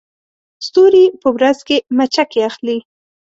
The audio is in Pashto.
ستوري په ورځ کې مچکې اخلي